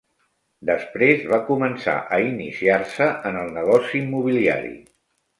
Després va començar a iniciar-se en el negoci immobiliari.